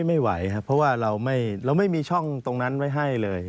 ไม่ไหวครับเพราะว่าเราไม่มีช่องตรงนั้นไว้ให้เลย